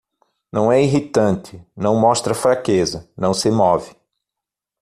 Não é irritante, não mostra fraqueza, não se move